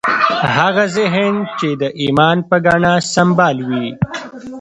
هغه ذهن چې د ایمان په ګاڼه سمبال وي